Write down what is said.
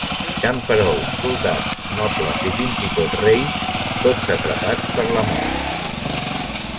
Camperols, soldats, nobles i fins i tot reis, tots atrapats per la Mort.